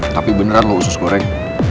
tapi beneran loh usus goreng